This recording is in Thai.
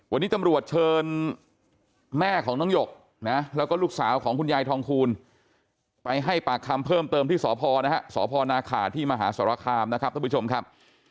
วันนี้ตำรวจเชิญแม่ของน้องหยกนะแล้วก็ลูกสาวของคุณยายทองคูณไปให้ปากคำเพิ่มเติมที่สพนะฮะสพนาขาที่มหาสรคามนะครับท่านผู้ชมครับ